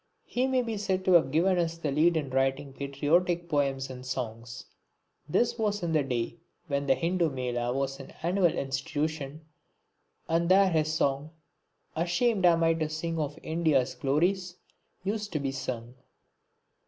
He may be said to have given us the lead in writing patriotic poems and songs. This was in the days when the Hindu Mela was an annual institution and there his song "Ashamed am I to sing of India's glories" used to be sung.